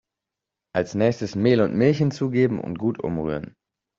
Als nächstes Mehl und Milch hinzugeben und gut umrühren.